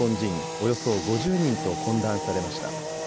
およそ５０人と懇談されました。